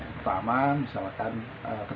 pertama misalkan ketertarikan